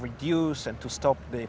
mengurangkan dan menghentikan